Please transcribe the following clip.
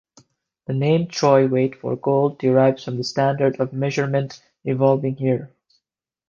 The name troy weight for gold derives from the standard of measurement evolving here.